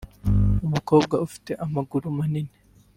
umukobwa ufite amaguru manini